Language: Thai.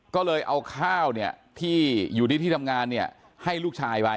ก็เลยเอาข้าวเนี่ยที่อยู่ดีที่ทำงานเนี่ยให้ลูกชายไป